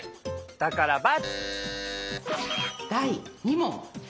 だから×！